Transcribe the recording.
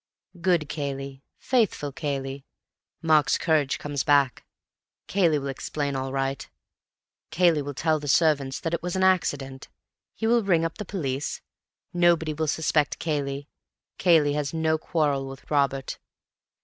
"Good Cayley. Faithful Cayley! Mark's courage comes back. Cayley will explain all right. Cayley will tell the servants that it was an accident. He will ring up the police. Nobody will suspect Cayley—Cayley has no quarrel with Robert.